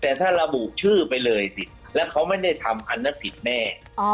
แต่ถ้าระบุชื่อไปเลยสิแล้วเขาไม่ได้ทำอันนั้นผิดแน่